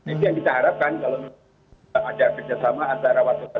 itu yang kita harapkan kalau ada kerjasama antara warga